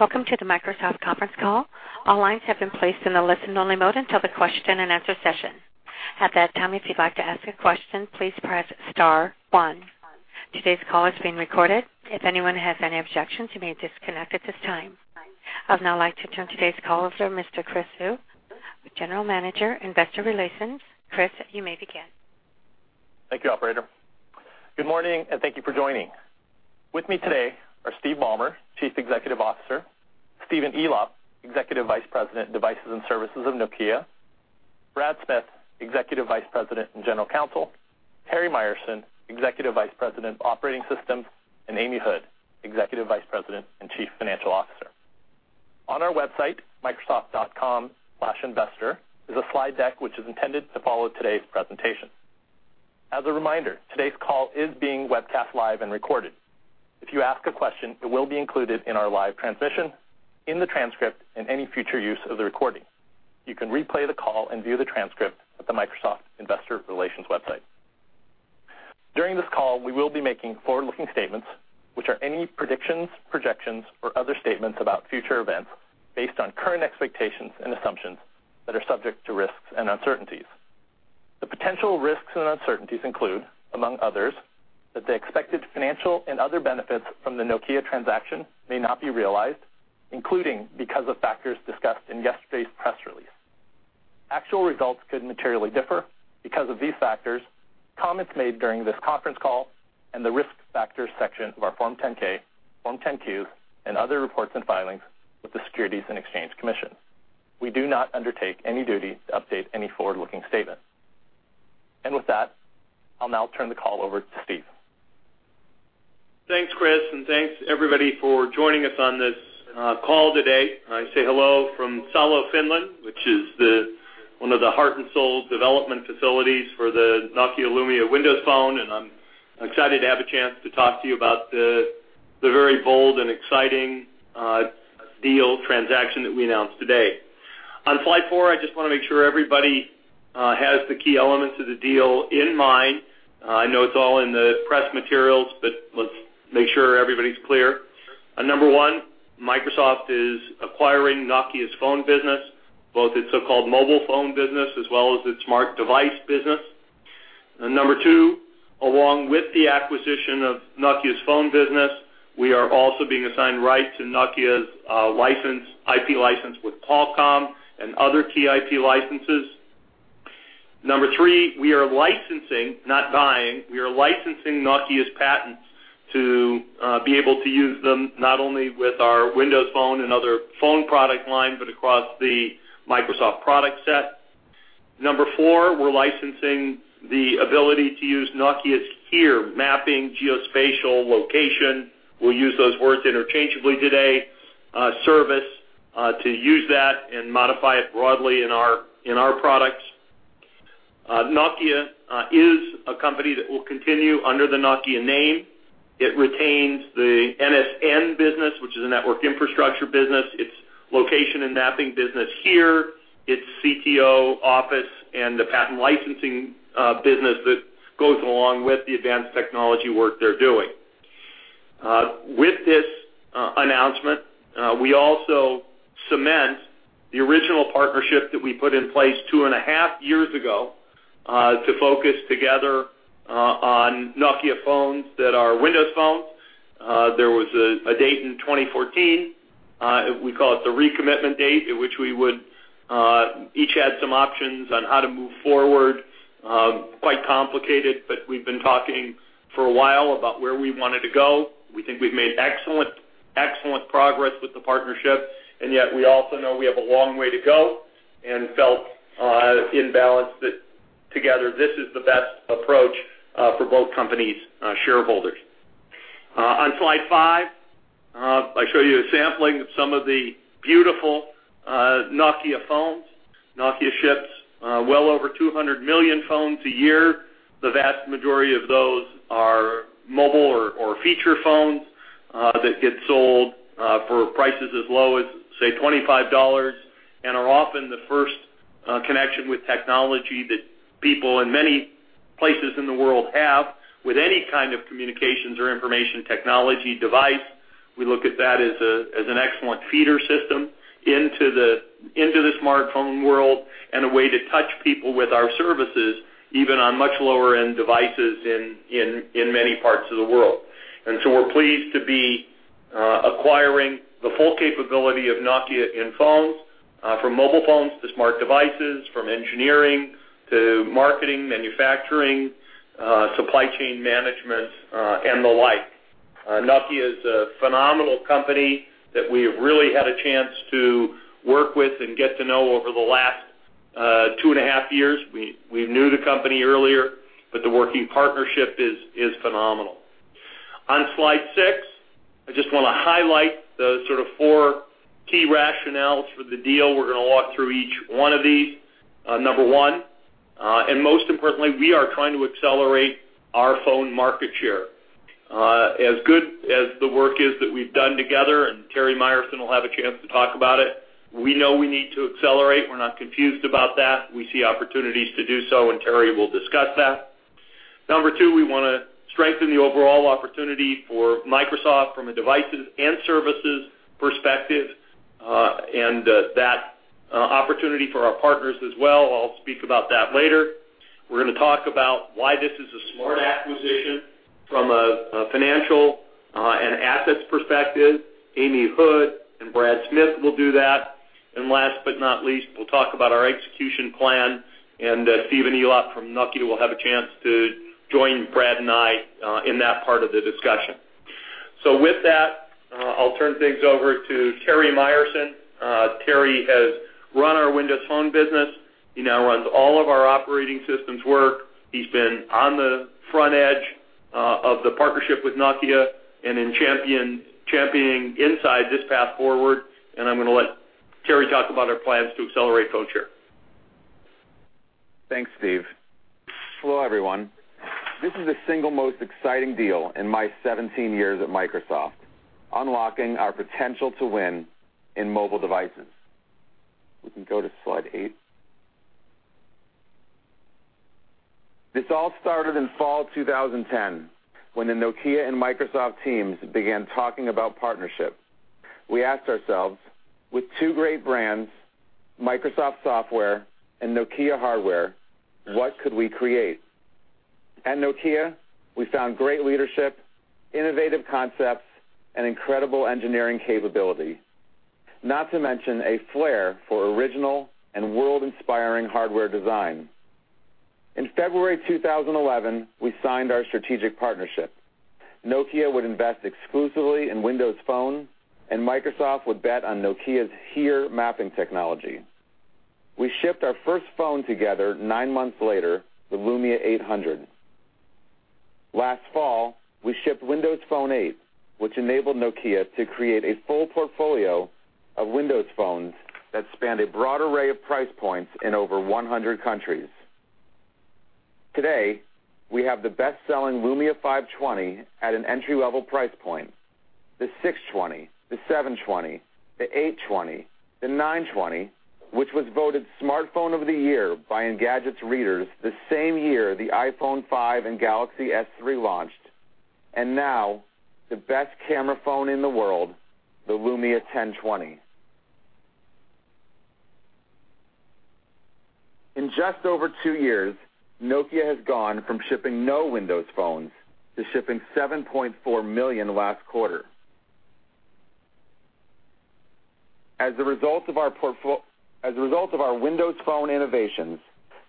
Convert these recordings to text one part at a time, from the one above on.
Welcome to the Microsoft conference call. All lines have been placed in the listen-only mode until the question and answer session. At that time, if you'd like to ask a question, please press star one. Today's call is being recorded. If anyone has any objections, you may disconnect at this time. I'd now like to turn today's call over to Mr. Chris Suh, General Manager, Investor Relations. Chris, you may begin. Thank you, operator. Good morning, and thank you for joining. With me today are Steve Ballmer, Chief Executive Officer, Stephen Elop, Executive Vice President, Devices and Services of Nokia, Brad Smith, Executive Vice President and General Counsel, Terry Myerson, Executive Vice President of Operating Systems, and Amy Hood, Executive Vice President and Chief Financial Officer. On our website, microsoft.com/investor, there's a slide deck which is intended to follow today's presentation. As a reminder, today's call is being webcast live and recorded. If you ask a question, it will be included in our live transmission, in the transcript, and any future use of the recording. You can replay the call and view the transcript at the Microsoft Investor Relations website. During this call, we will be making forward-looking statements, which are any predictions, projections, or other statements about future events based on current expectations and assumptions that are subject to risks and uncertainties. The potential risks and uncertainties include, among others, that the expected financial and other benefits from the Nokia transaction may not be realized, including because of factors discussed in yesterday's press release. Actual results could materially differ because of these factors, comments made during this conference call, and the Risk Factors section of our Form 10-K, Form 10-Q, and other reports and filings with the Securities and Exchange Commission. We do not undertake any duty to update any forward-looking statements. With that, I'll now turn the call over to Steve. Thanks, Chris, and thanks, everybody, for joining us on this call today. I say hello from Salo, Finland, which is one of the heart and soul development facilities for the Nokia Lumia Windows Phone. I'm excited to have a chance to talk to you about the very bold and exciting deal transaction that we announced today. On slide four, I just want to make sure everybody has the key elements of the deal in mind. I know it's all in the press materials, but let's make sure everybody's clear. Number one, Microsoft is acquiring Nokia's phone business, both its so-called mobile phone business as well as its smart device business. Number two, along with the acquisition of Nokia's phone business, we are also being assigned rights to Nokia's IP license with Qualcomm and other key IP licenses. Number three, we are licensing, not buying, we are licensing Nokia's patents to be able to use them not only with our Windows Phone and other phone product line but across the Microsoft product set. Number four, we're licensing the ability to use Nokia's HERE mapping, geospatial location, we'll use those words interchangeably today, service to use that and modify it broadly in our products. Nokia is a company that will continue under the Nokia name. It retains the NSN business, which is a network infrastructure business, its location and mapping business HERE, its CTO office, and the patent licensing business that goes along with the advanced technology work they're doing. With this announcement, we also cement the original partnership that we put in place two and a half years ago to focus together on Nokia phones that are Windows phones. There was a date in 2014. We call it the recommitment date, at which we would each add some options on how to move forward. Quite complicated. We've been talking for a while about where we wanted to go. We think we've made excellent progress with the partnership, yet we also know we have a long way to go and felt in balance that together, this is the best approach for both companies' shareholders. On slide five, I show you a sampling of some of the beautiful Nokia phones. Nokia ships well over 200 million phones a year. The vast majority of those are mobile or feature phones that get sold for prices as low as, say, $25 and are often the first connection with technology that people in many places in the world have with any kind of communications or information technology device. We look at that as an excellent feeder system into the smartphone world and a way to touch people with our services, even on much lower-end devices in many parts of the world. We're pleased to be acquiring the full capability of Nokia in phones from mobile phones to smart devices, from engineering to marketing, manufacturing, supply chain management, and the like. Nokia is a phenomenal company that we have really had a chance to work with and get to know over the last two and a half years. We knew the company earlier. The working partnership is phenomenal. On slide six, I just want to highlight the sort of four key rationales for the deal. We're going to walk through each one of these. Number one, most importantly, we are trying to accelerate our phone market share. As good as the work is that we've done together, Terry Myerson will have a chance to talk about it, we know we need to accelerate. We're not confused about that. We see opportunities to do so. Terry will discuss that. Number two, we want to strengthen the overall opportunity for Microsoft from a devices and services perspective, that opportunity for our partners as well. I'll speak about that later. We're going to talk about why this is a smart acquisition from a financial and assets perspective. Amy Hood and Brad Smith will do that. Last but not least, we'll talk about our execution plan, and Stephen Elop from Nokia will have a chance to join Brad and me in that part of the discussion. With that, I'll turn things over to Terry Myerson. Terry has run our Windows Phone business. He now runs all of our operating systems work. He's been on the front edge of the partnership with Nokia and in championing inside this path forward. I'm going to let Terry talk about our plans to accelerate our share. Thanks, Steve. Hello, everyone. This is the single most exciting deal in my 17 years at Microsoft, unlocking our potential to win in mobile devices. We can go to slide eight. This all started in fall 2010, when the Nokia and Microsoft teams began talking about partnership. We asked ourselves, with two great brands, Microsoft software and Nokia hardware, what could we create? At Nokia, we found great leadership, innovative concepts, and incredible engineering capability, not to mention a flair for original and world-inspiring hardware design. In February 2011, we signed our strategic partnership. Nokia would invest exclusively in Windows Phone, and Microsoft would bet on Nokia's HERE mapping technology. We shipped our first phone together nine months later, the Lumia 800. Last fall, we shipped Windows Phone 8, which enabled Nokia to create a full portfolio of Windows Phones that spanned a broad array of price points in over 100 countries. Today, we have the best-selling Lumia 520 at an entry-level price point, the 620, the 720, the 820, the 920, which was voted Smartphone of the Year by Engadget's readers the same year the iPhone 5 and Galaxy S III launched, and now the best camera phone in the world, the Lumia 1020. In just over two years, Nokia has gone from shipping no Windows Phones to shipping 7.4 million last quarter. As a result of our Windows Phone innovations,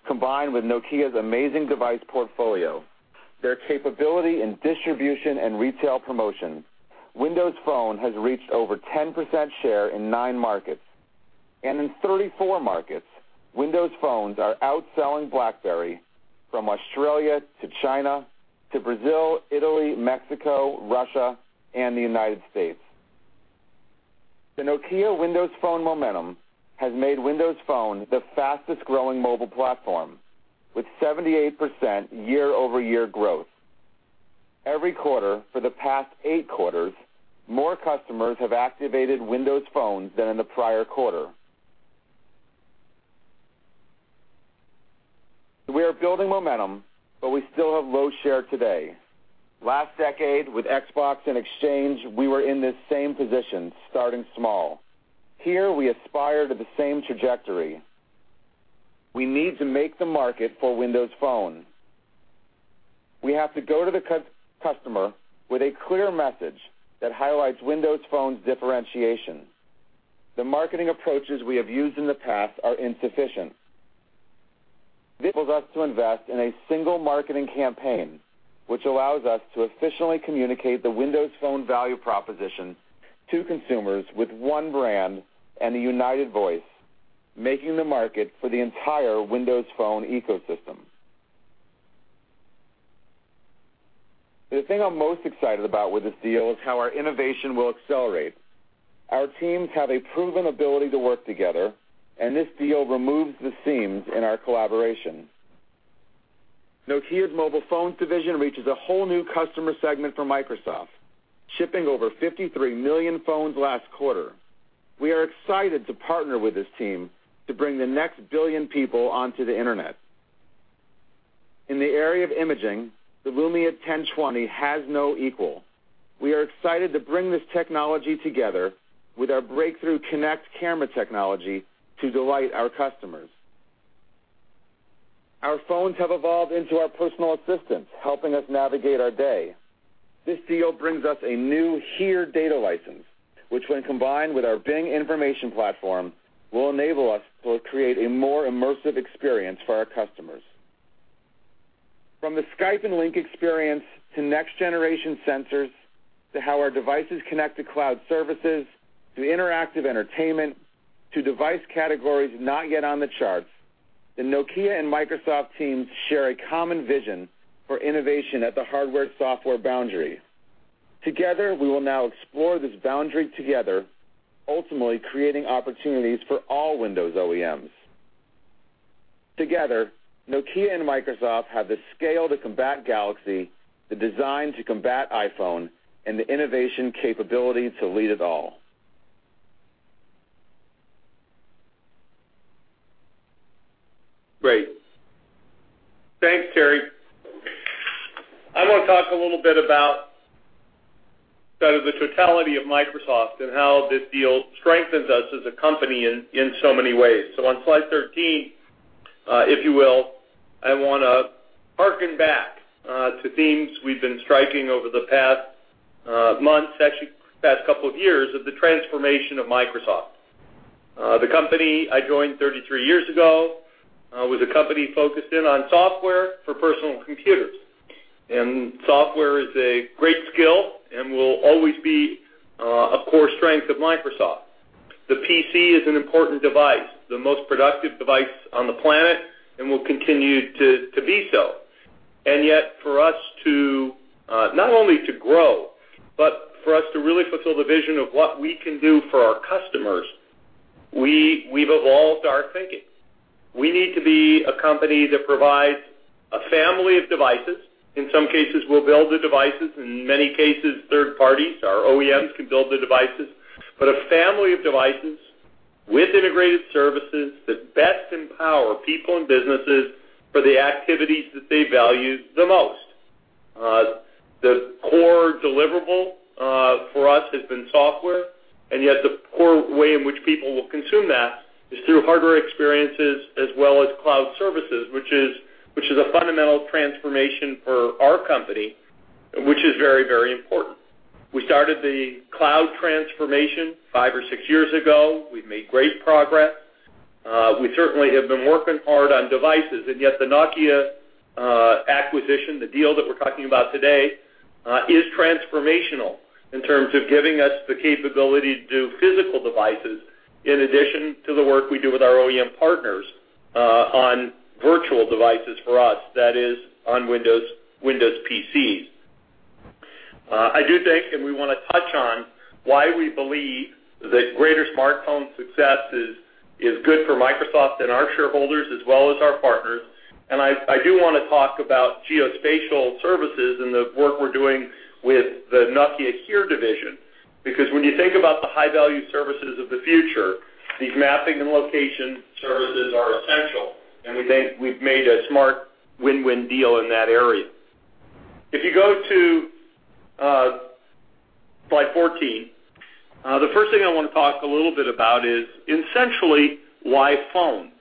combined with Nokia's amazing device portfolio, their capability in distribution and retail promotion, Windows Phone has reached over 10% share in nine markets. In 34 markets, Windows Phones are outselling BlackBerry from Australia to China to Brazil, Italy, Mexico, Russia, and the United States. The Nokia Windows Phone momentum has made Windows Phone the fastest-growing mobile platform, with 78% year-over-year growth. Every quarter for the past eight quarters, more customers have activated Windows Phones than in the prior quarter. We are building momentum, but we still have low share today. Last decade, with Xbox and Exchange, we were in this same position, starting small. Here, we aspire to the same trajectory. We need to make the market for Windows Phone. We have to go to the customer with a clear message that highlights Windows Phone's differentiation. The marketing approaches we have used in the past are insufficient. This enables us to invest in a single marketing campaign, which allows us to efficiently communicate the Windows Phone value proposition to consumers with one brand and a united voice, making the market for the entire Windows Phone ecosystem. The thing I'm most excited about with this deal is how our innovation will accelerate. Our teams have a proven ability to work together, and this deal removes the seams in our collaboration. Nokia's mobile phones division reaches a whole new customer segment for Microsoft, shipping over 53 million phones last quarter. We are excited to partner with this team to bring the next billion people onto the internet. In the area of imaging, the Lumia 1020 has no equal. We are excited to bring this technology together with our breakthrough Kinect camera technology to delight our customers. Our phones have evolved into our personal assistants, helping us navigate our day. This deal brings us a new HERE data license, which when combined with our Bing information platform, will enable us to create a more immersive experience for our customers. From the Skype and Lync experience to next-generation sensors, to how our devices connect to cloud services, to interactive entertainment, to device categories not yet on the charts, the Nokia and Microsoft teams share a common vision for innovation at the hardware-software boundary. We will now explore this boundary together, ultimately creating opportunities for all Windows OEMs. Nokia and Microsoft have the scale to combat Galaxy, the design to combat iPhone, and the innovation capability to lead it all. Great. Thanks, Terry. I want to talk a little bit about the totality of Microsoft and how this deal strengthens us as a company in so many ways. On slide 13, if you will, I want to harken back to themes we've been striking over the past months, actually the past couple of years, of the transformation of Microsoft. The company I joined 33 years ago was a company focused on software for personal computers. Software is a great skill and will always be a core strength of Microsoft. The PC is an important device, the most productive device on the planet, and will continue to be so. Yet for us to not only to grow, but for us to really fulfill the vision of what we can do for our customers, we've evolved our thinking. We need to be a company that provides a family of devices. In some cases, we'll build the devices. In many cases, third parties, our OEMs, can build the devices. A family of devices with integrated services that best empower people and businesses for the activities that they value the most. The core deliverable for us has been software. Yet the core way in which people will consume that is through hardware experiences as well as cloud services, which is a fundamental transformation for our company, which is very important. We started the cloud transformation five or six years ago. We've made great progress. We certainly have been working hard on devices, yet the Nokia acquisition, the deal that we're talking about today, is transformational in terms of giving us the capability to do physical devices in addition to the work we do with our OEM partners on virtual devices for us, that is, on Windows PCs. I do think, we want to touch on why we believe that greater smartphone success is good for Microsoft and our shareholders as well as our partners. I do want to talk about geospatial services and the work we're doing with the Nokia HERE division, because when you think about the high-value services of the future, these mapping and location services are essential, and we think we've made a smart win-win deal in that area. If you go to slide 14, the first thing I want to talk a little bit about is essentially why phones.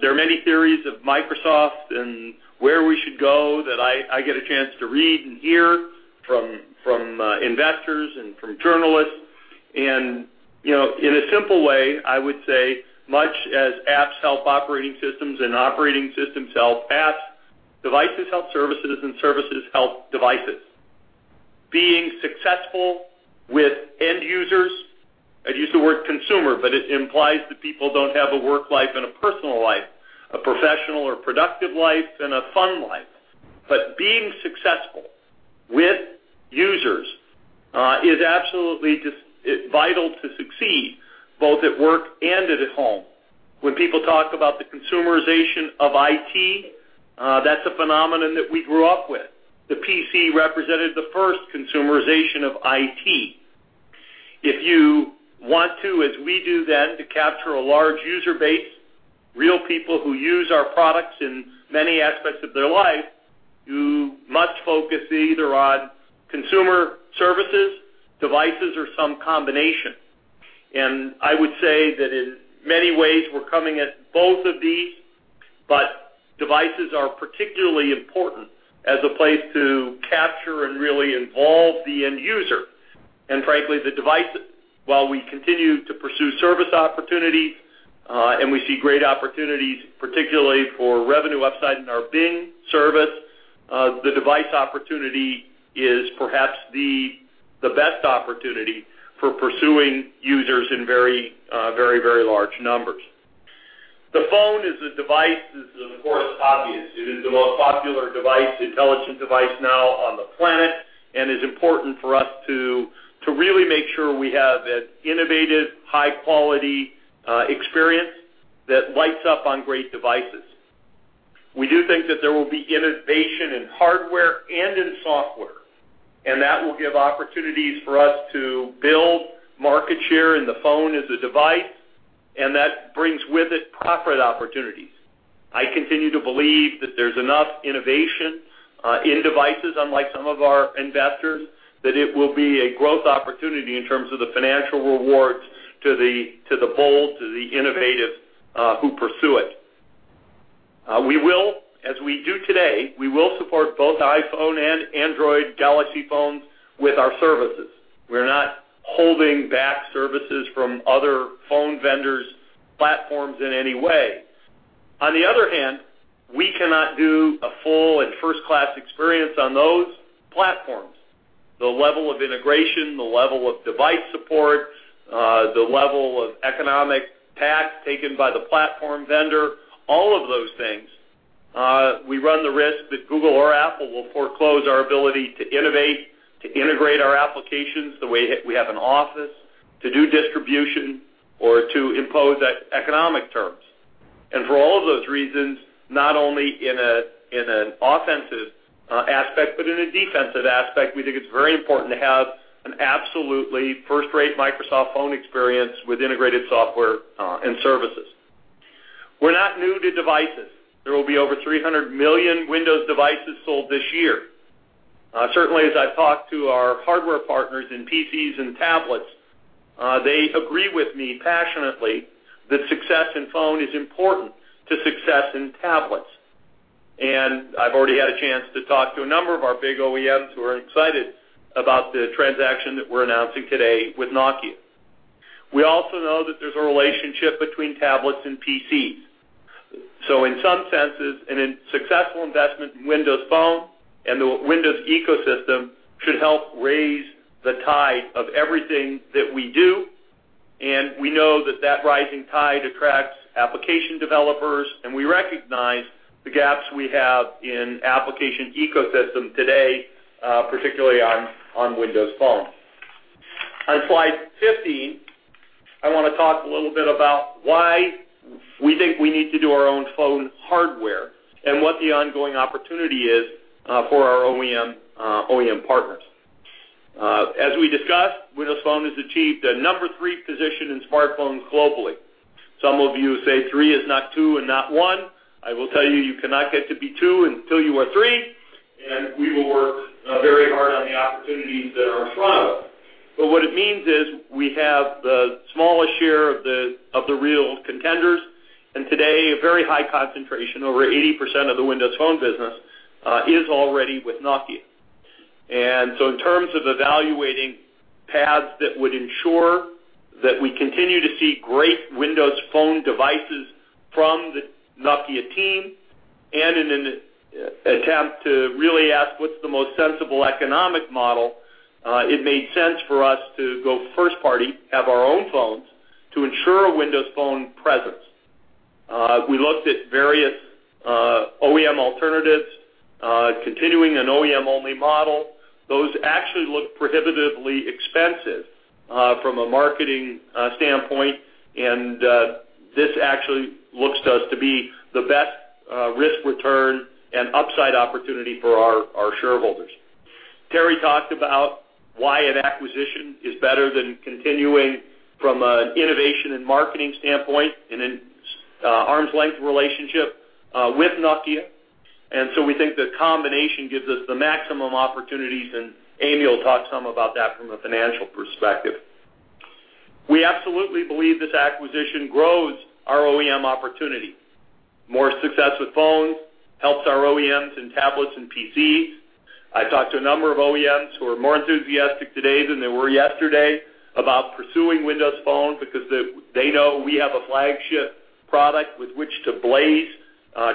There are many theories of Microsoft and where we should go that I get a chance to read and hear from investors and from journalists. In a simple way, I would say much as apps help operating systems and operating systems help apps, devices help services and services help devices. Being successful with end users, I'd use the word consumer, but it implies that people don't have a work life and a personal life, a professional or productive life and a fun life. Being successful with users is absolutely vital to succeed both at work and at home. When people talk about the consumerization of IT, that's a phenomenon that we grew up with. The PC represented the first consumerization of IT. If you want to, as we do then, to capture a large user base, real people who use our products in many aspects of their life, you must focus either on consumer services, devices or some combination. I would say that in many ways, we're coming at both of these, devices are particularly important as a place to capture and really involve the end user. Frankly, the device, while we continue to pursue service opportunities and we see great opportunities, particularly for revenue upside in our Bing service, the device opportunity is perhaps the best opportunity for pursuing users in very large numbers. The phone is a device that is, of course, obvious. It is the most popular device, intelligent device now on the planet and is important for us to really make sure we have an innovative, high-quality experience that lights up on great devices. We do think that there will be innovation in hardware and in software, that will give opportunities for us to build market share in the phone as a device, that brings with it profit opportunities. I continue to believe that there's enough innovation in devices, unlike some of our investors, that it will be a growth opportunity in terms of the financial rewards to the bold, to the innovative who pursue it. As we do today, we will support both iPhone and Android Galaxy phones with our services. We're not holding back services from other phone vendors' platforms in any way. On the other hand, we cannot do a full and first-class experience on those platforms. The level of integration, the level of device support, the level of economic pact taken by the platform vendor, all of those things, we run the risk that Google or Apple will foreclose our ability to innovate, to integrate our applications the way we have in Office, to do distribution or to impose economic terms. For all of those reasons, not only in an offensive aspect, but in a defensive aspect, we think it's very important to have an absolutely first-rate Microsoft phone experience with integrated software and services. We're not new to devices. There will be over 300 million Windows devices sold this year. Certainly, as I've talked to our hardware partners in PCs and tablets, they agree with me passionately that success in phone is important to success in tablets. I've already had a chance to talk to a number of our big OEMs who are excited about the transaction that we're announcing today with Nokia. We also know that there's a relationship between tablets and PCs. In some senses, and in successful investment in Windows Phone and the Windows ecosystem should help raise the tide of everything that we do, and we know that that rising tide attracts application developers, and we recognize the gaps we have in application ecosystem today, particularly on Windows Phone. On slide 15, I want to talk a little bit about why we think we need to do our own phone hardware and what the ongoing opportunity is for our OEM partners. As we discussed, Windows Phone has achieved a number three position in smartphones globally. Some of you say three is not two and not one. I will tell you cannot get to be two until you are three, and we will work very hard on the opportunities that are in front of us. What it means is we have the smallest share of the real contenders, and today, a very high concentration, over 80% of the Windows Phone business, is already with Nokia. In terms of evaluating paths that would ensure that we continue to see great Windows Phone devices from the Nokia team and in an attempt to really ask what's the most sensible economic model, it made sense for us to go first party, have our own phones to ensure a Windows Phone presence. We looked at various OEM alternatives, continuing an OEM-only model. Those actually look prohibitively expensive from a marketing standpoint, and this actually looks to us to be the best risk-return and upside opportunity for our shareholders. Terry talked about why an acquisition is better than continuing from an innovation and marketing standpoint in an arm's length relationship with Nokia. We think the combination gives us the maximum opportunities, and Amy will talk some about that from a financial perspective. We absolutely believe this acquisition grows our OEM opportunity. More success with phones helps our OEMs in tablets and PCs. I've talked to a number of OEMs who are more enthusiastic today than they were yesterday about pursuing Windows Phone because they know we have a flagship product with which to blaze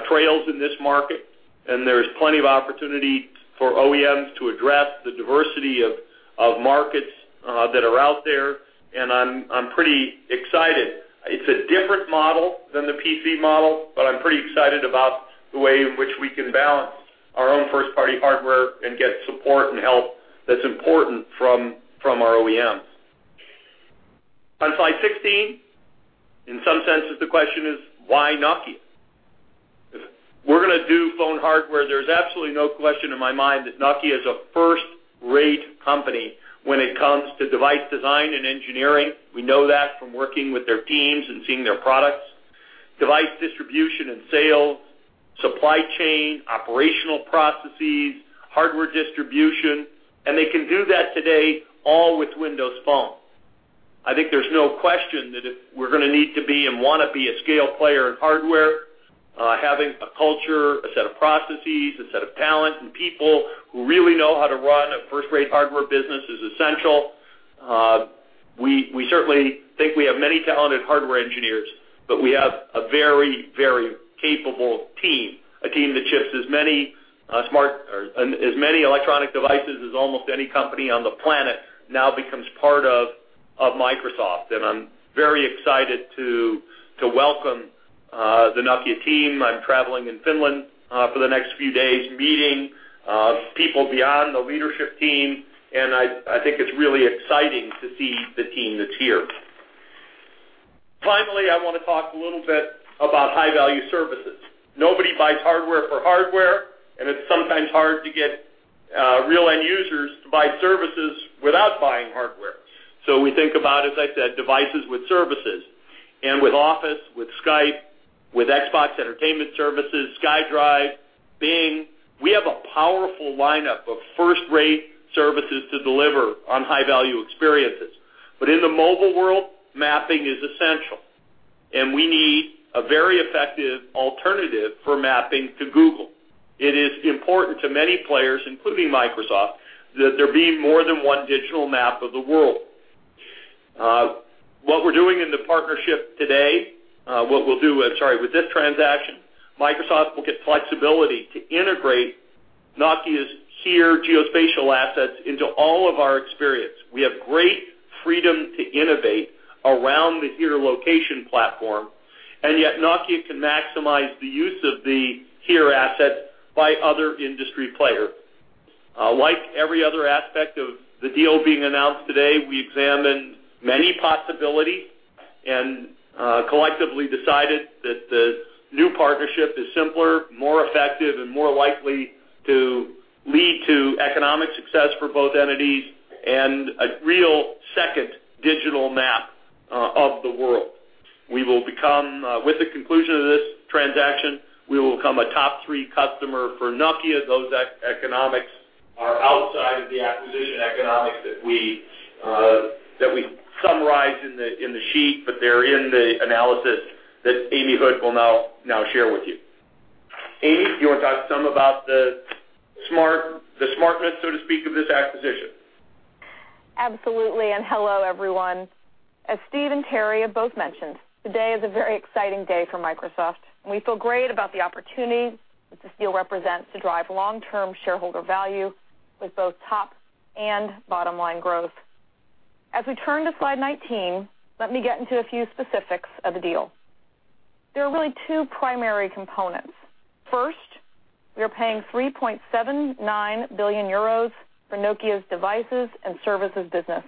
trails in this market, and there's plenty of opportunity for OEMs to address the diversity of markets that are out there, and I'm pretty excited. It's a different model than the PC model, but I'm pretty excited about the way in which we can balance our own first-party hardware and get support and help that's important from our OEMs. On slide 16, in some senses, the question is, why Nokia? If we're going to do phone hardware, there's absolutely no question in my mind that Nokia is a first-rate company when it comes to device design and engineering. We know that from working with their teams and seeing their products. Device distribution and sales, supply chain, operational processes, hardware distribution, and they can do that today all with Windows Phone. I think there's no question that if we're going to need to be and want to be a scale player in hardware, having a culture, a set of processes, a set of talent, and people who really know how to run a first-rate hardware business is essential. We certainly think we have many talented hardware engineers, but we have a very capable team, a team that ships as many electronic devices as almost any company on the planet now becomes part of Microsoft. I'm very excited to welcome the Nokia team. I'm traveling in Finland for the next few days, meeting people beyond the leadership team, and I think it's really exciting to see the team that's here. Finally, I want to talk a little bit about high-value services. Nobody buys hardware for hardware, and it's sometimes hard to get real end users to buy services without buying hardware. We think about, as I said, devices with services and with Office, with Skype, with Xbox Entertainment Studios, SkyDrive, Bing. We have a powerful lineup of first-rate services to deliver on high-value experiences. In the mobile world, mapping is essential, and we need a very effective alternative for mapping to Google. It is important to many players, including Microsoft, that there be more than one digital map of the world. What we're doing in the partnership today, what we'll do with, sorry, with this transaction, Microsoft will get flexibility to integrate Nokia's HERE geospatial assets into all of our experience. We have great freedom to innovate around the HERE location platform, and yet Nokia can maximize the use of the HERE asset by other industry players. Like every other aspect of the deal being announced today, we examined many possibilities and collectively decided that the new partnership is simpler, more effective, and more likely to lead to economic success for both entities and a real second digital map of the world. With the conclusion of this transaction, we will become a top three customer for Nokia. Those economics are outside of the acquisition economics that we summarized in the sheet, but they're in the analysis that Amy Hood will now share with you. Amy, do you want to talk some about the smartness, so to speak, of this acquisition? Absolutely, hello, everyone. As Steve and Terry have both mentioned, today is a very exciting day for Microsoft, and we feel great about the opportunity that this deal represents to drive long-term shareholder value with both top and bottom-line growth. As we turn to slide 19, let me get into a few specifics of the deal. There are really two primary components. First, we are paying 3.79 billion euros for Nokia's devices and services business,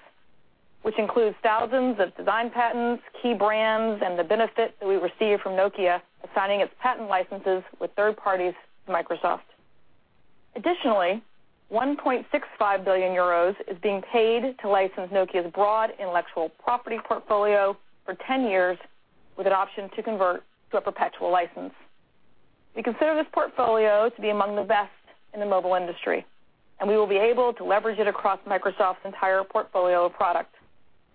which includes thousands of design patents, key brands, and the benefit that we receive from Nokia assigning its patent licenses with third parties to Microsoft. Additionally, 1.65 billion euros is being paid to license Nokia's broad intellectual property portfolio for 10 years, with an option to convert to a perpetual license. We consider this portfolio to be among the best in the mobile industry. We will be able to leverage it across Microsoft's entire portfolio of products.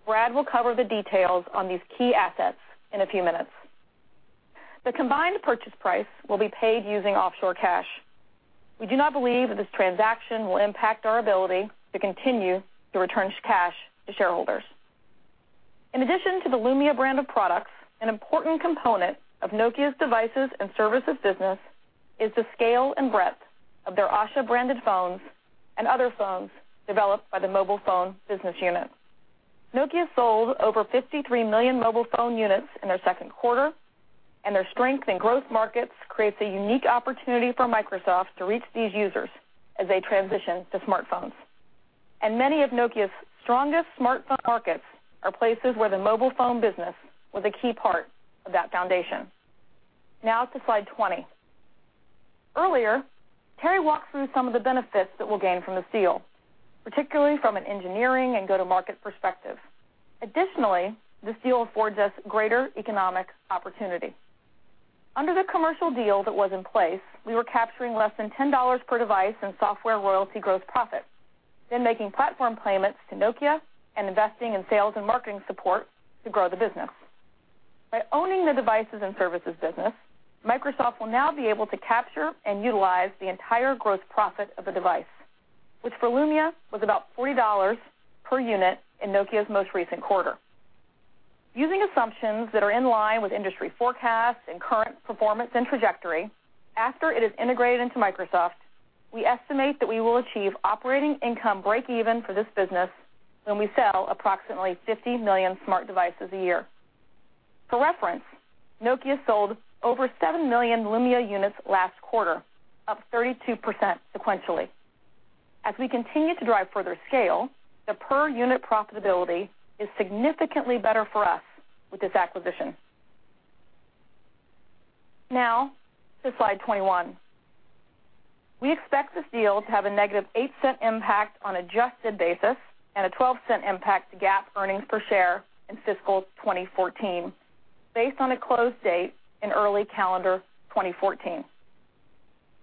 Brad will cover the details on these key assets in a few minutes. The combined purchase price will be paid using offshore cash. We do not believe that this transaction will impact our ability to continue to return cash to shareholders. In addition to the Lumia brand of products, an important component of Nokia's devices and services business is the scale and breadth of their Asha branded phones and other phones developed by the mobile phone business unit. Nokia sold over 53 million mobile phone units in their second quarter. Their strength in growth markets creates a unique opportunity for Microsoft to reach these users as they transition to smartphones. Many of Nokia's strongest smartphone markets are places where the mobile phone business was a key part of that foundation. Now to slide 20. Earlier, Terry walked through some of the benefits that we'll gain from this deal, particularly from an engineering and go-to-market perspective. Additionally, this deal affords us greater economic opportunity. Under the commercial deal that was in place, we were capturing less than $10 per device in software royalty gross profit, then making platform payments to Nokia and investing in sales and marketing support to grow the business. By owning the devices and services business, Microsoft will now be able to capture and utilize the entire gross profit of the device, which for Lumia was about $40 per unit in Nokia's most recent quarter. Using assumptions that are in line with industry forecasts and current performance and trajectory, after it is integrated into Microsoft, we estimate that we will achieve operating income break even for this business when we sell approximately 50 million smart devices a year. For reference, Nokia sold over 7 million Lumia units last quarter, up 32% sequentially. As we continue to drive further scale, the per-unit profitability is significantly better for us with this acquisition. Now to slide 21. We expect this deal to have a negative $0.08 impact on adjusted basis and a $0.12 impact to GAAP earnings per share in fiscal 2014 based on a close date in early calendar 2014.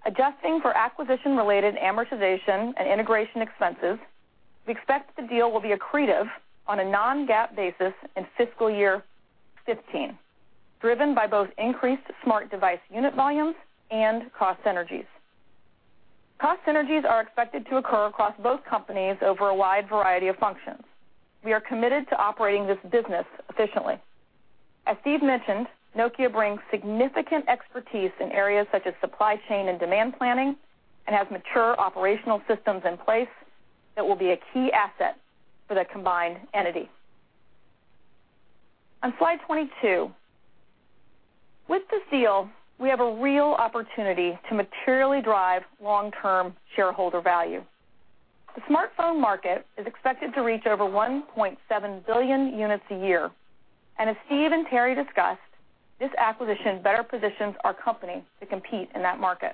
Adjusting for acquisition-related amortization and integration expenses, we expect the deal will be accretive on a non-GAAP basis in fiscal year 2015, driven by both increased smart device unit volumes and cost synergies. Cost synergies are expected to occur across both companies over a wide variety of functions. We are committed to operating this business efficiently. As Steve mentioned, Nokia brings significant expertise in areas such as supply chain and demand planning and has mature operational systems in place that will be a key asset for the combined entity. On slide 22. With this deal, we have a real opportunity to materially drive long-term shareholder value. The smartphone market is expected to reach over 1.7 billion units a year, as Steve and Terry discussed, this acquisition better positions our company to compete in that market.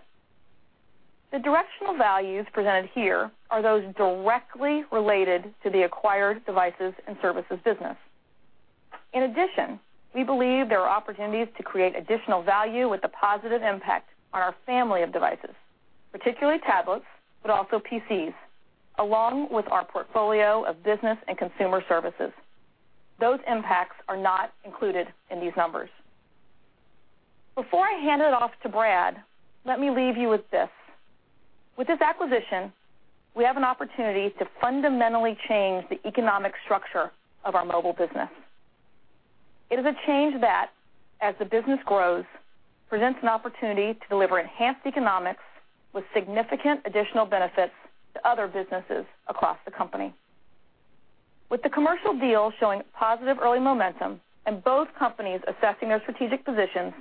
The directional values presented here are those directly related to the acquired devices and services business. We believe there are opportunities to create additional value with a positive impact on our family of devices, particularly tablets, but also PCs, along with our portfolio of business and consumer services. Those impacts are not included in these numbers. Before I hand it off to Brad, let me leave you with this. With this acquisition, we have an opportunity to fundamentally change the economic structure of our mobile business. It is a change that, as the business grows, presents an opportunity to deliver enhanced economics with significant additional benefits to other businesses across the company. With the commercial deal showing positive early momentum and both companies assessing their strategic positions,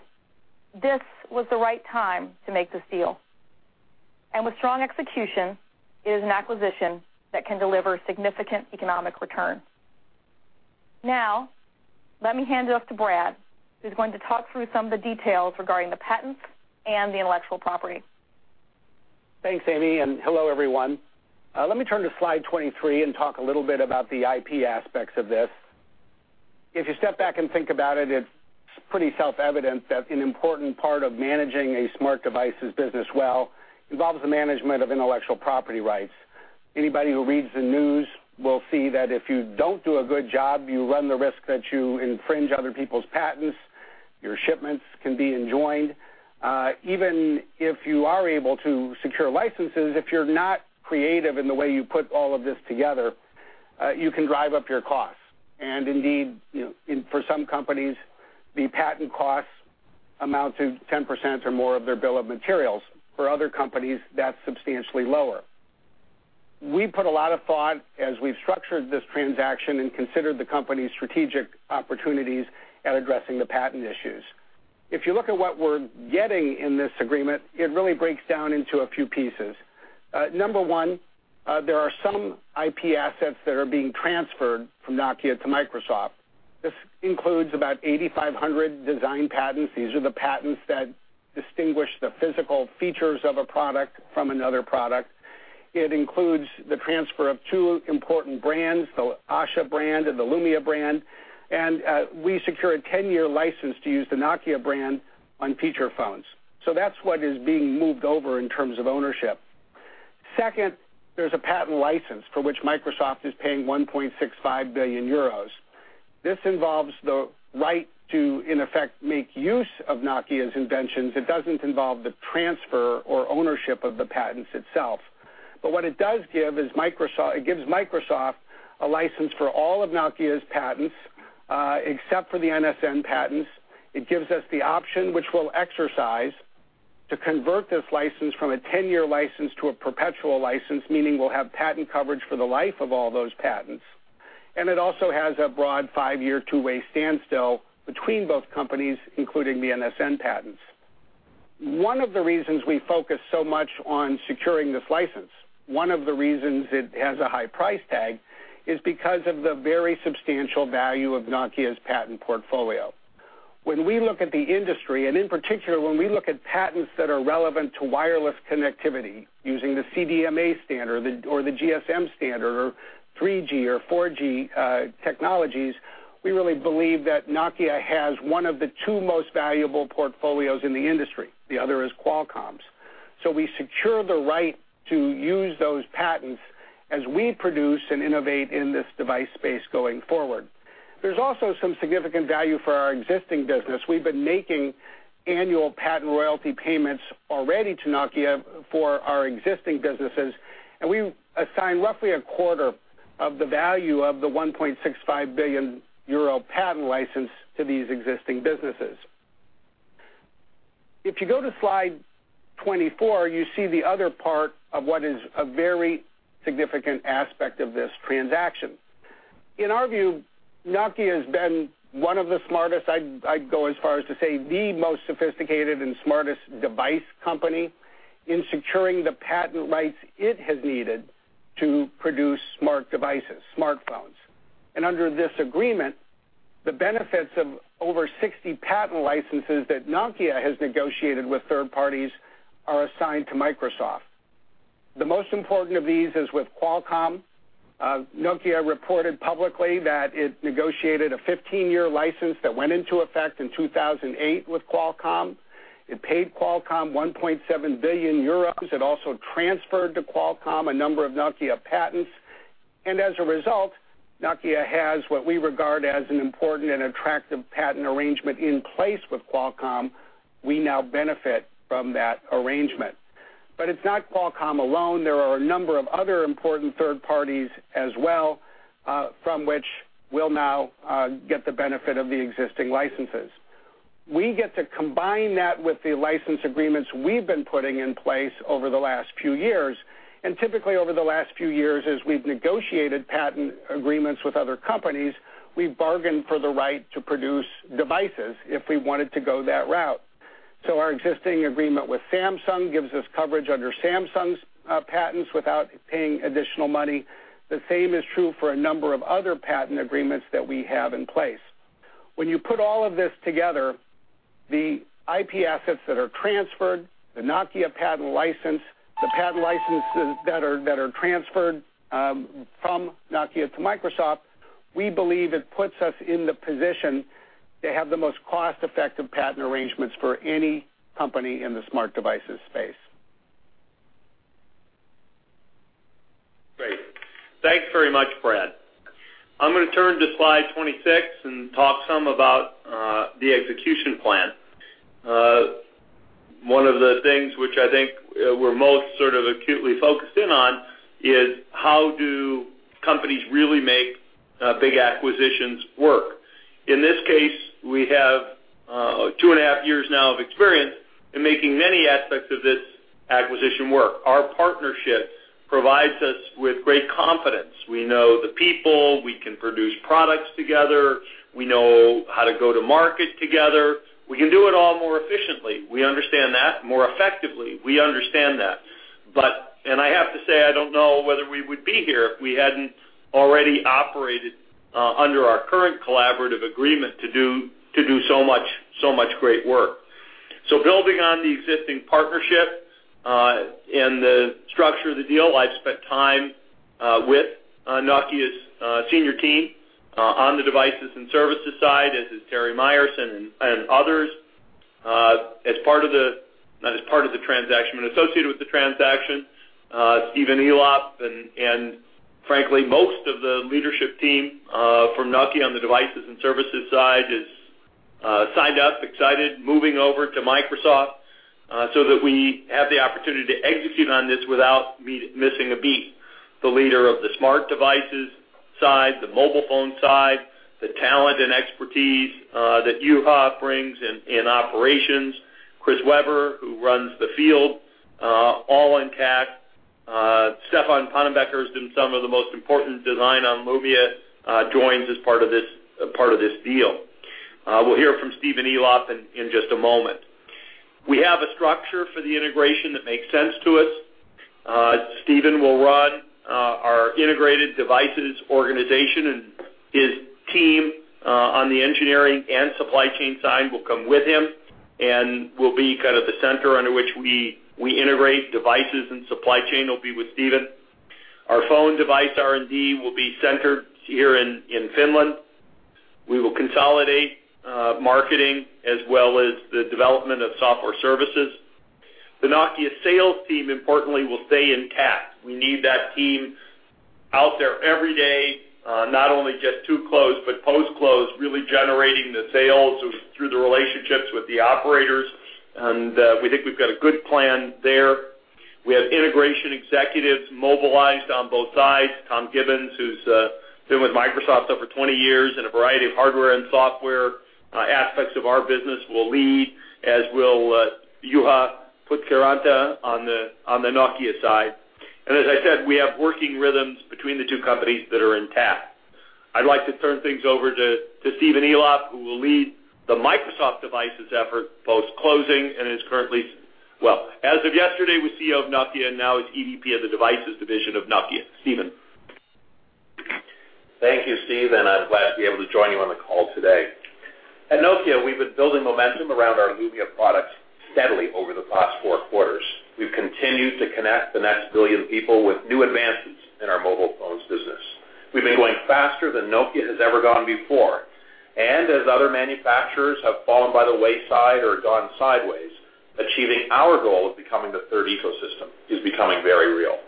this was the right time to make this deal. With strong execution, it is an acquisition that can deliver significant economic return. Let me hand it off to Brad, who's going to talk through some of the details regarding the patents and the intellectual property. Thanks, Amy, hello, everyone. Let me turn to slide 23 and talk a little bit about the IP aspects of this. If you step back and think about it's pretty self-evident that an important part of managing a smart devices business well involves the management of intellectual property rights. Anybody who reads the news will see that if you don't do a good job, you run the risk that you infringe other people's patents. Your shipments can be enjoined. Even if you are able to secure licenses, if you're not creative in the way you put all of this together, you can drive up your costs. Indeed, for some companies, the patent costs amount to 10% or more of their bill of materials. For other companies, that's substantially lower. We put a lot of thought as we've structured this transaction and considered the company's strategic opportunities at addressing the patent issues. If you look at what we're getting in this agreement, it really breaks down into a few pieces. Number one, there are some IP assets that are being transferred from Nokia to Microsoft. This includes about 8,500 design patents. These are the patents that distinguish the physical features of a product from another product. It includes the transfer of two important brands, the Asha brand and the Lumia brand. We secure a 10-year license to use the Nokia brand on feature phones. That's what is being moved over in terms of ownership. Second, there's a patent license for which Microsoft is paying 1.65 billion euros. This involves the right to, in effect, make use of Nokia's inventions. It doesn't involve the transfer or ownership of the patents itself. What it does give is it gives Microsoft a license for all of Nokia's patents except for the NSN patents. It gives us the option, which we'll exercise, to convert this license from a 10-year license to a perpetual license, meaning we'll have patent coverage for the life of all those patents. It also has a broad five-year, two-way standstill between both companies, including the NSN patents. One of the reasons we focus so much on securing this license, one of the reasons it has a high price tag, is because of the very substantial value of Nokia's patent portfolio. When we look at the industry, and in particular, when we look at patents that are relevant to wireless connectivity using the CDMA standard or the GSM standard or 3G or 4G technologies, we really believe that Nokia has one of the two most valuable portfolios in the industry. The other is Qualcomm's. We secure the right to use those patents as we produce and innovate in this device space going forward. There's also some significant value for our existing business. We've been making annual patent royalty payments already to Nokia for our existing businesses, and we assign roughly a quarter of the value of the 1.65 billion euro patent license to these existing businesses. If you go to slide 24, you see the other part of what is a very significant aspect of this transaction. In our view, Nokia has been one of the smartest, I'd go as far as to say the most sophisticated and smartest device company in securing the patent rights it has needed to produce smart devices, smartphones. Under this agreement, the benefits of over 60 patent licenses that Nokia has negotiated with third parties are assigned to Microsoft. The most important of these is with Qualcomm. Nokia reported publicly that it negotiated a 15-year license that went into effect in 2008 with Qualcomm. It paid Qualcomm 1.7 billion euros. It also transferred to Qualcomm a number of Nokia patents. As a result, Nokia has what we regard as an important and attractive patent arrangement in place with Qualcomm. We now benefit from that arrangement. It's not Qualcomm alone. There are a number of other important third parties as well from which we'll now get the benefit of the existing licenses. We get to combine that with the license agreements we've been putting in place over the last few years. Typically, over the last few years, as we've negotiated patent agreements with other companies, we've bargained for the right to produce devices if we wanted to go that route. Our existing agreement with Samsung gives us coverage under Samsung's patents without paying additional money. The same is true for a number of other patent agreements that we have in place. When you put all of this together, the IP assets that are transferred, the Nokia patent license, the patent licenses that are transferred from Nokia to Microsoft, we believe it puts us in the position to have the most cost-effective patent arrangements for any company in the smart devices space. Great. Thanks very much, Brad. I'm going to turn to slide 26 and talk some about the execution plan. One of the things which I think we're most acutely focused in on is how do companies really make big acquisitions work? In this case, we have Two and a half years now of experience in making many aspects of this acquisition work. Our partnership provides us with great confidence. We know the people. We can produce products together. We know how to go to market together. We can do it all more efficiently. We understand that more effectively. We understand that. I have to say, I don't know whether we would be here if we hadn't already operated under our current collaborative agreement to do so much great work. Building on the existing partnership, and the structure of the deal, I've spent time with Nokia's senior team on the devices and services side, as has Terry Myerson and others. As part of the transaction, associated with the transaction, Stephen Elop and frankly, most of the leadership team from Nokia on the devices and services side has signed up, excited, moving over to Microsoft so that we have the opportunity to execute on this without missing a beat. The leader of the smart devices side, the mobile phone side, the talent and expertise that Juha brings in operations, Chris Weber, who runs the field, all intact. Stefan Pannenbecker, who's done some of the most important design on Lumia, joins as part of this deal. We'll hear from Stephen Elop in just a moment. We have a structure for the integration that makes sense to us. Stephen will run our integrated devices organization, and his team on the engineering and supply chain side will come with him. Will be kind of the center under which we integrate devices and supply chain will be with Stephen. Our phone device R&D will be centered here in Finland. We will consolidate marketing as well as the development of software services. The Nokia sales team, importantly, will stay intact. We need that team out there every day, not only just to close, but post-close, really generating the sales through the relationships with the operators. We think we've got a good plan there. We have integration executives mobilized on both sides. Tom Gibbons, who's been with Microsoft over 20 years in a variety of hardware and software aspects of our business will lead, as will Juha Putkiranta on the Nokia side. As I said, we have working rhythms between the two companies that are intact. I'd like to turn things over to Stephen Elop, who will lead the Microsoft devices effort post-closing and is currently As of yesterday, was CEO of Nokia, now is EVP of the devices division of Nokia. Stephen. Thank you, Steve, and I'm glad to be able to join you on the call today. At Nokia, we've been building momentum around our Lumia products steadily over the past four quarters. We've continued to connect the next billion people with new advances in our mobile phones business. We've been going faster than Nokia has ever gone before. As other manufacturers have fallen by the wayside or gone sideways, achieving our goal of becoming the third ecosystem is becoming very real.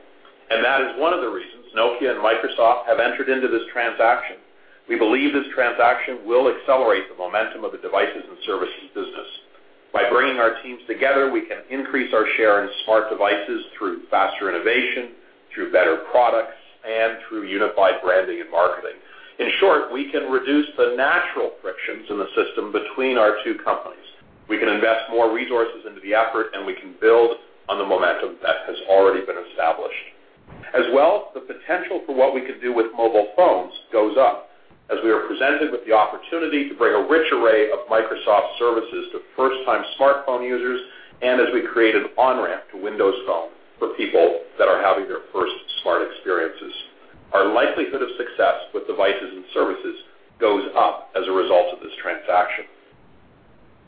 That is one of the reasons Nokia and Microsoft have entered into this transaction. We believe this transaction will accelerate the momentum of the devices and services business. By bringing our teams together, we can increase our share in smart devices through faster innovation, through better products, and through unified branding and marketing. In short, we can reduce the natural frictions in the system between our two companies. We can invest more resources into the effort, we can build on the momentum that has already been established. As well, the potential for what we could do with mobile phones goes up as we are presented with the opportunity to bring a rich array of Microsoft services to first-time smartphone users as we create an on-ramp to Windows Phone for people that are having their first smart experiences. Our likelihood of success with devices and services goes up as a result of this transaction.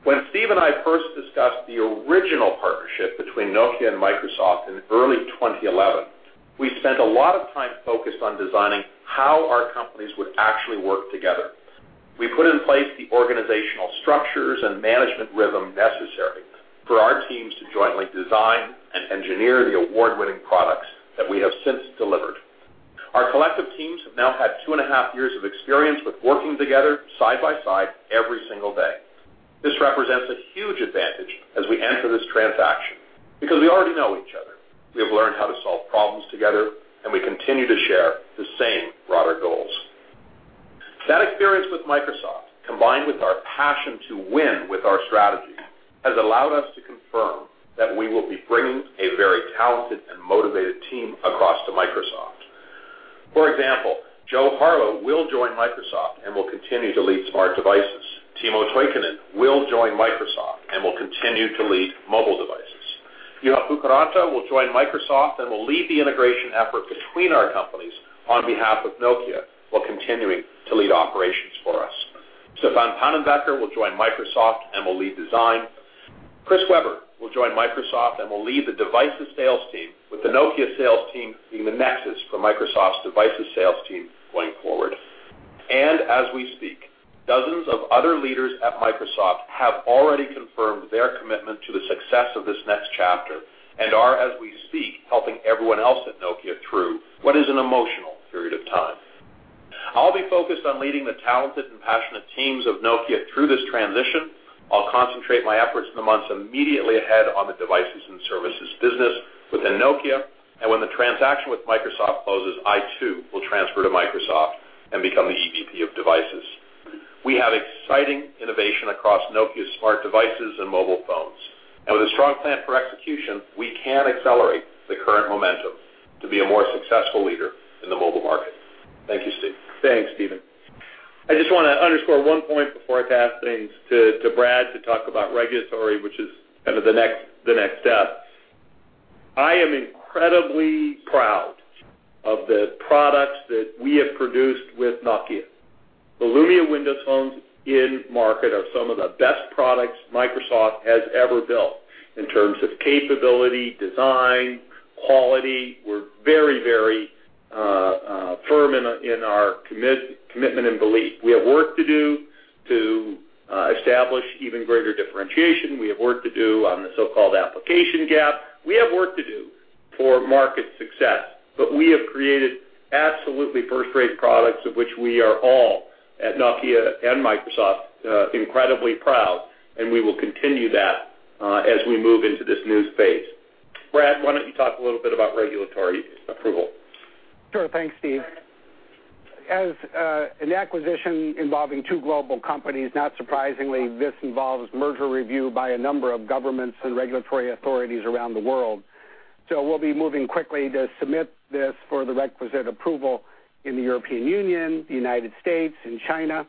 When Steve and I first discussed the original partnership between Nokia and Microsoft in early 2011, we spent a lot of time focused on designing how our companies would actually work together. We put in place the organizational structures and management rhythm necessary for our teams to jointly design and engineer the award-winning products that we have since delivered. Our collective teams have now had two and a half years of experience with working together side by side every single day. This represents a huge advantage as we enter this transaction because we already know each other. We have learned how to solve problems together, we continue to share the same broader goals. That experience with Microsoft, combined with our passion to win with our strategy, has allowed us to confirm that we will be bringing a very talented and motivated team across to Microsoft. For example, Jo Harlow will join Microsoft and will continue to lead smart devices. Timo Toikkanen will join Microsoft and will continue to lead mobile devices. Juha Putkiranta will join Microsoft and will lead the integration effort between our companies on behalf of Nokia while continuing to lead operations for us. Stefan Pannenbecker will join Microsoft and will lead design. Chris Weber will join Microsoft and will lead the devices sales team with the Nokia sales team being the nexus for Microsoft's devices sales team going forward. As we speak, dozens of other leaders at Microsoft have already confirmed their commitment to the success of this next chapter and are, as we speak, helping everyone else at Nokia through what is an emotional period of time. I'll be focused on leading the talented and passionate teams of Nokia through this transition. I'll concentrate my efforts in the months immediately ahead on the devices and services business within Nokia. When the transaction with Microsoft closes, I too will transfer to Microsoft. Become the EVP of devices. We have exciting innovation across Nokia's smart devices and mobile phones. Now with a strong plan for execution, we can accelerate the current momentum to be a more successful leader in the mobile market. Thank you, Steve. Thanks, Stephen. I just want to underscore one point before I pass things to Brad to talk about regulatory, which is kind of the next step. I am incredibly proud of the products that we have produced with Nokia. The Lumia Windows phones in market are some of the best products Microsoft has ever built in terms of capability, design, quality. We're very firm in our commitment and belief. We have work to do to establish even greater differentiation. We have work to do on the so-called application gap. We have work to do for market success. We have created absolutely first-rate products of which we are all, at Nokia and Microsoft, incredibly proud, and we will continue that as we move into this new space. Brad, why don't you talk a little bit about regulatory approval? Sure. Thanks, Steve. As an acquisition involving two global companies, not surprisingly, this involves merger review by a number of governments and regulatory authorities around the world. We'll be moving quickly to submit this for the requisite approval in the European Union, the U.S., in China,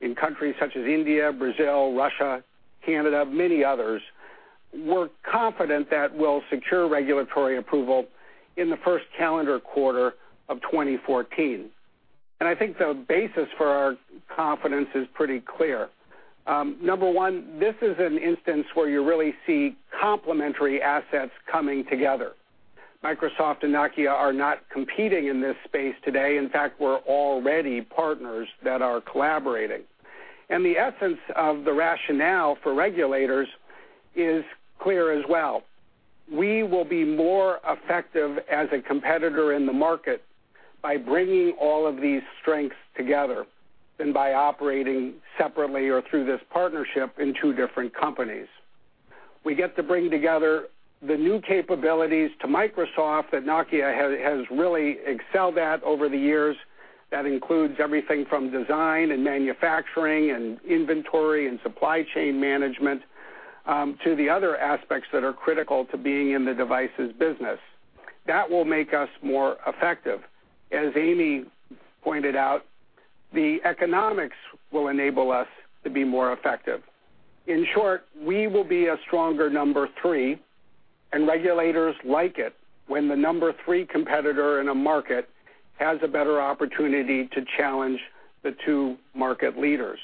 in countries such as India, Brazil, Russia, Canada, many others. We're confident that we'll secure regulatory approval in the first calendar quarter of 2014. I think the basis for our confidence is pretty clear. Number 1, this is an instance where you really see complementary assets coming together. Microsoft and Nokia are not competing in this space today. In fact, we're already partners that are collaborating. The essence of the rationale for regulators is clear as well. We will be more effective as a competitor in the market by bringing all of these strengths together than by operating separately or through this partnership in two different companies. We get to bring together the new capabilities to Microsoft that Nokia has really excelled at over the years. That includes everything from design and manufacturing and inventory and supply chain management, to the other aspects that are critical to being in the devices business. That will make us more effective. As Amy pointed out, the economics will enable us to be more effective. In short, we will be a stronger number 3, and regulators like it when the number 3 competitor in a market has a better opportunity to challenge the two market leaders.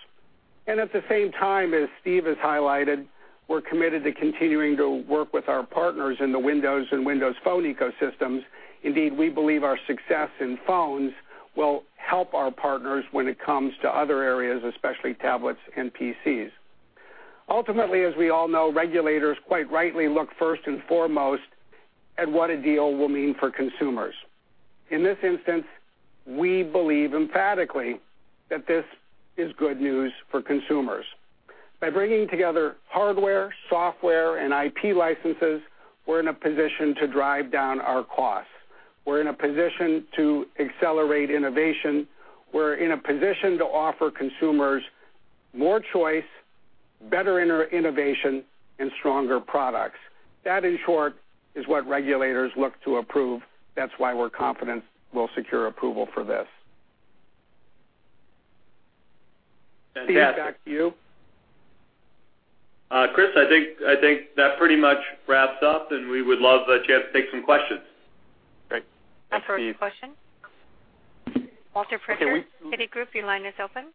At the same time, as Steve has highlighted, we're committed to continuing to work with our partners in the Windows and Windows Phone ecosystems. Indeed, we believe our success in phones will help our partners when it comes to other areas, especially tablets and PCs. Ultimately, as we all know, regulators quite rightly look first and foremost at what a deal will mean for consumers. In this instance, we believe emphatically that this is good news for consumers. By bringing together hardware, software, and IP licenses, we're in a position to drive down our costs. We're in a position to accelerate innovation. We're in a position to offer consumers more choice, better innovation, and stronger products. That, in short, is what regulators look to approve. That's why we're confident we'll secure approval for this. Fantastic. Steve, back to you. Chris, I think that pretty much wraps up. We would love a chance to take some questions. Great. Thanks, Steve. Our first question, Walter Pritchard, Citigroup, your line is open.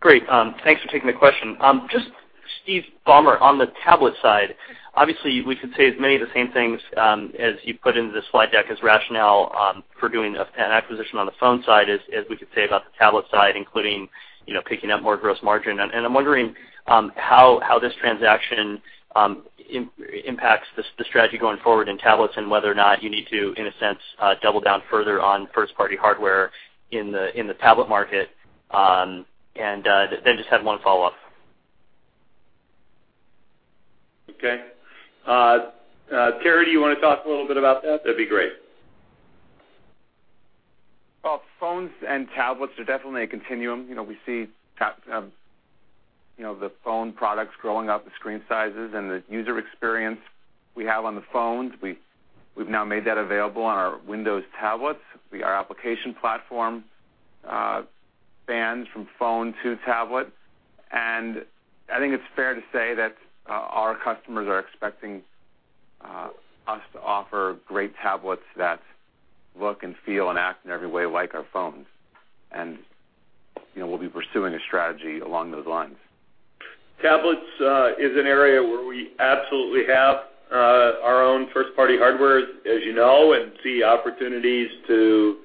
Great. Thanks for taking the question. Steve Ballmer on the tablet side. Obviously, we could say as many of the same things as you put into the slide deck as rationale for doing an acquisition on the phone side as we could say about the tablet side, including picking up more gross margin. I'm wondering how this transaction impacts the strategy going forward in tablets and whether or not you need to, in a sense, double down further on first-party hardware in the tablet market. Just had one follow-up. Okay. Terry, do you want to talk a little bit about that? That'd be great. Well, phones and tablets are definitely a continuum. We see the phone products growing up the screen sizes and the user experience we have on the phones. We've now made that available on our Windows tablets. Our application platform spans from phone to tablet. I think it's fair to say that our customers are expecting us to offer great tablets that look and feel and act in every way like our phones. We'll be pursuing a strategy along those lines. Tablets is an area where we absolutely have our own first-party hardware, as you know, and see opportunities to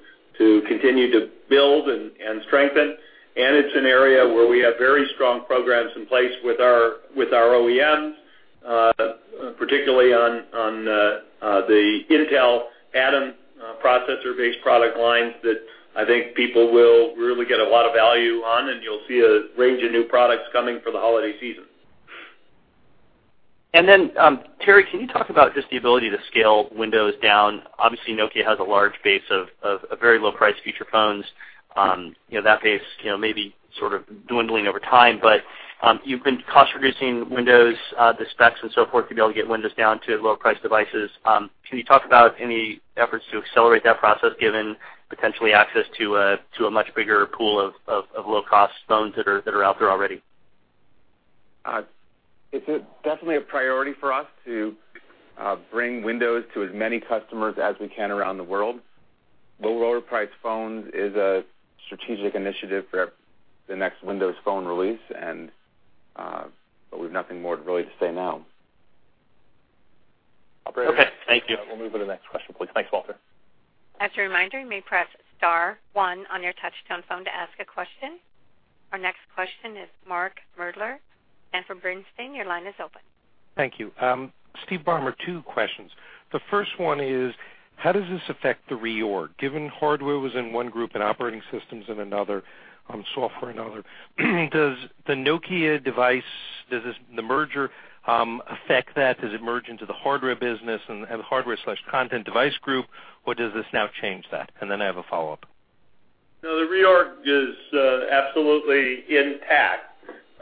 continue to build and strengthen. It's an area where we have very strong programs in place with our OEMs, particularly on the Intel Atom processor-based product lines that I think people will really get a lot of value on, and you'll see a range of new products coming for the holiday season Terry, can you talk about just the ability to scale Windows down? Obviously, Nokia has a large base of very low-priced feature phones. That base may be sort of dwindling over time, but you've been cost-reducing Windows, the specs and so forth, to be able to get Windows down to lower priced devices. Can you talk about any efforts to accelerate that process, given potentially access to a much bigger pool of low-cost phones that are out there already? It's definitely a priority for us to bring Windows to as many customers as we can around the world. Lower price phones is a strategic initiative for the next Windows Phone release, but we've nothing more really to say now. Okay. Thank you. Operator, we'll move to the next question, please. Thanks, Walter. As a reminder, you may press star one on your touch-tone phone to ask a question. Our next question is Mark Moerdler. from Bernstein, your line is open. Thank you. Steve Ballmer, two questions. The first one is: how does this affect the reorg? Given hardware was in one group and operating systems in another, software in another. Does the Nokia device, does the merger affect that? Does it merge into the hardware business and the hardware/content device group, or does this now change that? then I have a follow-up. No, the reorg is absolutely intact.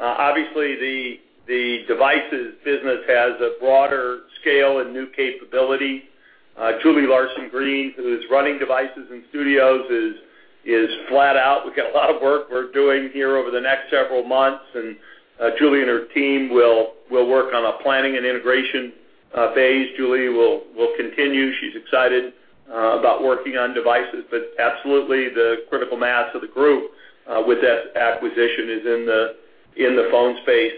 Obviously, the devices business has a broader scale and new capability. Julie Larson-Green, who is running devices and studios, is flat out. We've got a lot of work we're doing here over the next several months, and Julie and her team will work on a planning and integration phase. Julie will continue. She's excited about working on devices. absolutely, the critical mass of the group with that acquisition is in the phone space.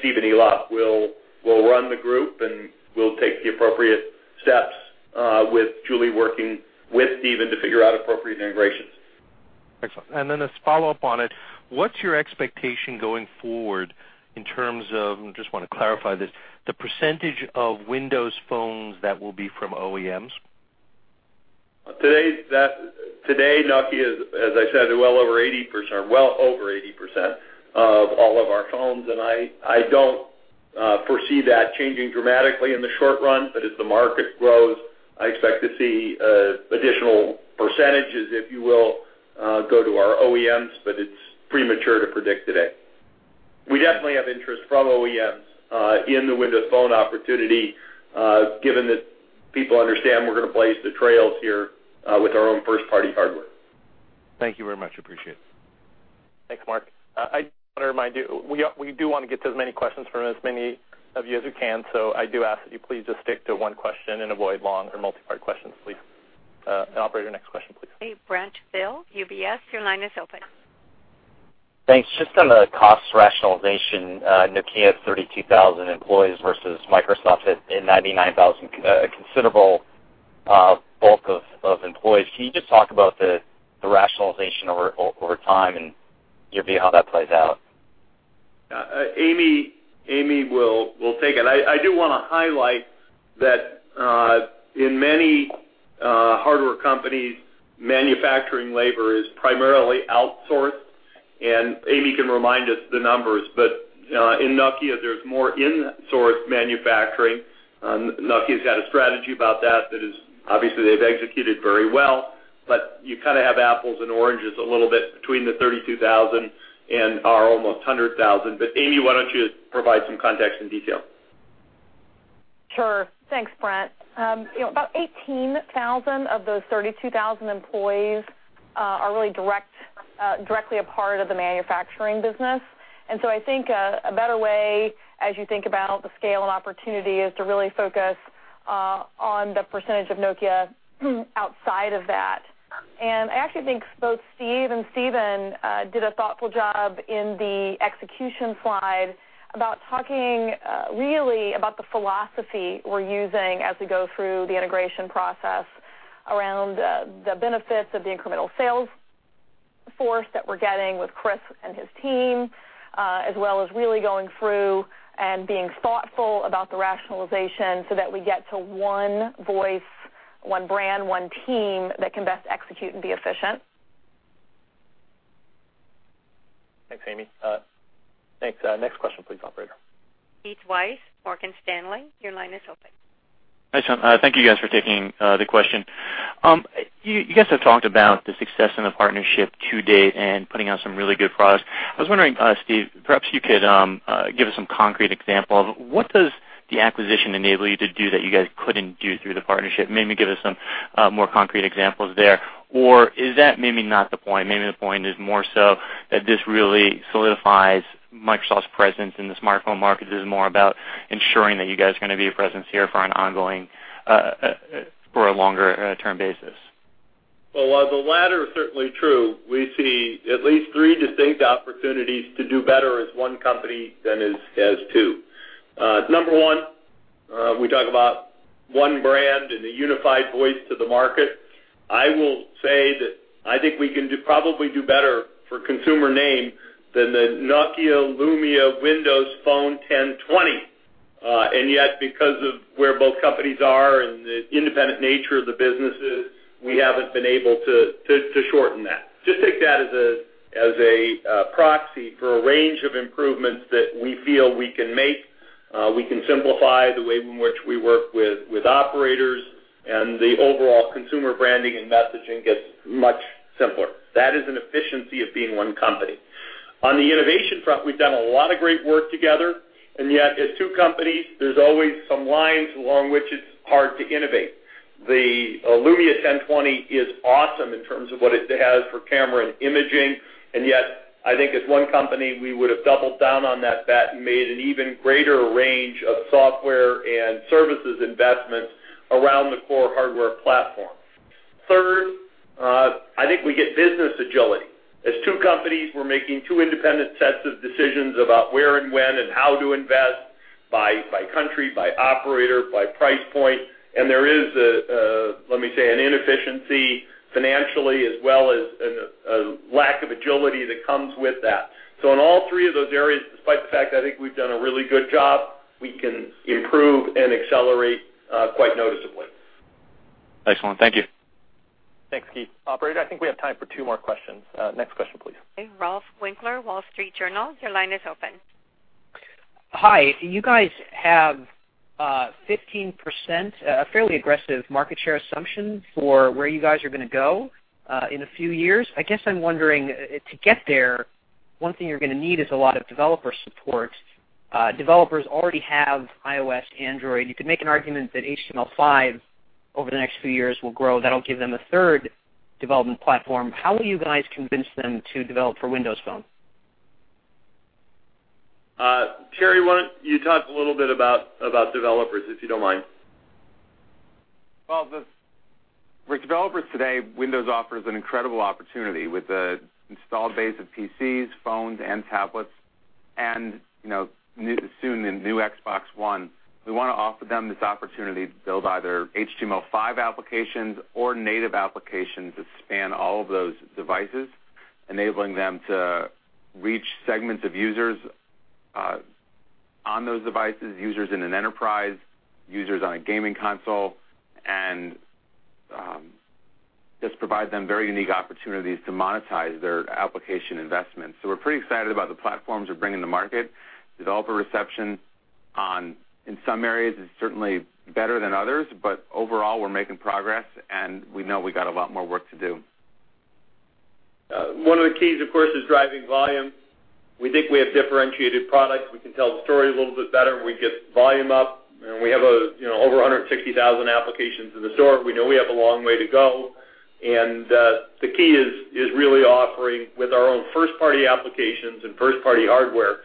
Stephen Elop will run the group, and we'll take the appropriate steps with Julie working with Stephen to figure out appropriate integrations. Excellent. then as follow-up on it, what's your expectation going forward in terms of, just want to clarify this, the percentage of Windows phones that will be from OEMs? Today, Nokia, as I said, are well over 80% of all of our phones. I don't foresee that changing dramatically in the short run. as the market grows, I expect to see additional percentages, if you will, go to our OEMs, but it's premature to predict today. We definitely have interest from OEMs in the Windows Phone opportunity, given that people understand we're going to blaze the trails here with our own first-party hardware. Thank you very much. Appreciate it. Thanks, Mark. I just want to remind you, we do want to get to as many questions from as many of you as we can. I do ask that you please just stick to one question and avoid long or multi-part questions, please. Operator, next question, please. Brent Thill, UBS, your line is open. Thanks. Just on the cost rationalization, Nokia has 32,000 employees versus Microsoft at 99,000, a considerable bulk of employees. Can you just talk about the rationalization over time and give me how that plays out? Amy will take it. I do want to highlight that in many hardware companies, manufacturing labor is primarily outsourced, and Amy can remind us the numbers. In Nokia, there's more in-source manufacturing. Nokia's had a strategy about that obviously they've executed very well. You kind of have apples and oranges a little bit between the 32,000 and our almost 100,000. Amy, why don't you provide some context and detail? Sure. Thanks, Brent. About 18,000 of those 32,000 employees are really directly a part of the manufacturing business. I think a better way, as you think about the scale and opportunity, is to really focus on the percentage of Nokia outside of that. I actually think both Steve and Stephen did a thoughtful job in the execution slide about talking really about the philosophy we're using as we go through the integration process around the benefits of the incremental sales force that we're getting with Chris and his team. As well as really going through and being thoughtful about the rationalization so that we get to one voice, one brand, one team that can best execute and be efficient. Thanks, Amy. Thanks. Next question please, operator. Keith Weiss, Morgan Stanley. Your line is open. Hi, Steve. Thank you guys for taking the question. You guys have talked about the success in the partnership to date and putting out some really good products. I was wondering, Steve, perhaps you could give us some concrete examples. What does the acquisition enable you to do that you guys couldn't do through the partnership? Maybe give us some more concrete examples there. Or is that maybe not the point? Maybe the point is more so that this really solidifies Microsoft's presence in the smartphone market. This is more about ensuring that you guys are going to be a presence here for a longer-term basis. Well, while the latter is certainly true, we see at least three distinct opportunities to do better as one company than as two. Number one, we talk about one brand and a unified voice to the market. I will say that I think we can probably do better for consumer name than the Nokia Lumia Windows Phone 1020. Yet, because of where both companies are and the independent nature of the businesses, we haven't been able to shorten that. Just take that as a proxy for a range of improvements that we feel we can make. We can simplify the way in which we work with operators and the overall consumer branding and messaging gets much simpler. That is an efficiency of being one company. On the innovation front, we've done a lot of great work together, and yet, as two companies, there's always some lines along which it's hard to innovate. The Lumia 1020 is awesome in terms of what it has for camera and imaging, and yet, I think as one company, we would've doubled down on that bet and made an even greater range of software and services investments around the core hardware platform. Third, I think we get business agility. As two companies, we're making two independent sets of decisions about where and when and how to invest by country, by operator, by price point. There is a, let me say, an inefficiency financially as well as a lack of agility that comes with that. In all three of those areas, despite the fact I think we've done a really good job, we can improve and accelerate quite noticeably. Excellent. Thank you. Thanks, Keith. Operator, I think we have time for two more questions. Next question, please. Okay, Rolfe Winkler, Wall Street Journal, your line is open. Hi. You guys have 15%, a fairly aggressive market share assumption for where you guys are going to go in a few years. I guess I'm wondering, to get there, one thing you're going to need is a lot of developer support. Developers already have iOS, Android. You could make an argument that HTML5 over the next few years will grow. That'll give them a third development platform. How will you guys convince them to develop for Windows Phone? Terry, why don't you talk a little bit about developers, if you don't mind? Well, for developers today, Windows offers an incredible opportunity with the install base of PCs, phones, and tablets and soon the new Xbox One. We want to offer them this opportunity to build either HTML5 applications or native applications that span all of those devices, enabling them to reach segments of users on those devices, users in an enterprise, users on a gaming console, and just provide them very unique opportunities to monetize their application investments. We're pretty excited about the platforms we're bringing to market. Developer reception in some areas is certainly better than others, but overall, we're making progress and we know we got a lot more work to do. One of the keys, of course, is driving volume. We think we have differentiated products. We can tell the story a little bit better when we get volume up, and we have over 160,000 applications in the store. We know we have a long way to go, and the key is really offering with our own first-party applications and first-party hardware,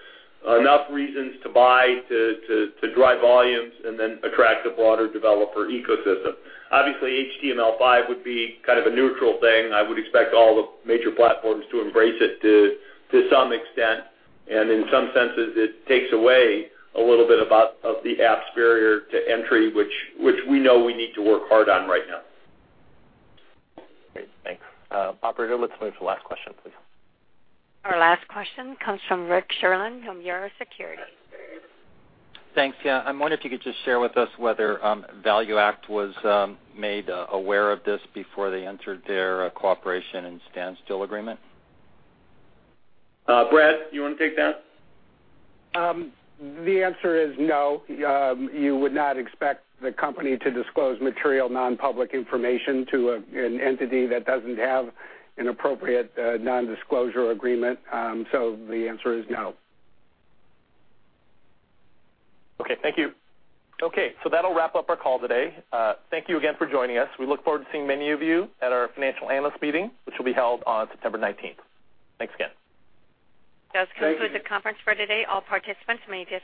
enough reasons to buy to drive volumes and then attract a broader developer ecosystem. Obviously, HTML5 would be kind of a neutral thing. I would expect all the major platforms to embrace it to some extent. In some senses it takes away a little bit of the apps barrier to entry, which we know we need to work hard on right now. Great. Thanks. Operator, let's move to the last question, please. Our last question comes from Rick Sherlund from Nomura Securities. Thanks. Yeah, I'm wondering if you could just share with us whether ValueAct was made aware of this before they entered their cooperation and standstill agreement. Brad, you want to take that? The answer is no. You would not expect the company to disclose material non-public information to an entity that doesn't have an appropriate non-disclosure agreement. the answer is no. Okay, thank you. Okay, that'll wrap up our call today. Thank you again for joining us. We look forward to seeing many of you at our financial analyst meeting, which will be held on September 19th. Thanks again. This concludes the conference for today. All participants may disconnect.